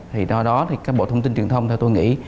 thì do đó thì các bộ thông tin truyền thông theo tôi nghĩ